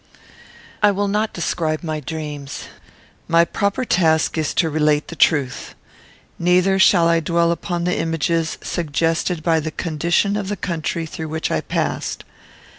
I will not describe my dreams. My proper task is to relate the truth. Neither shall I dwell upon the images suggested by the condition of the country through which I passed.